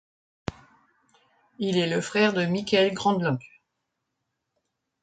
Il est le frère de Mikael Granlund.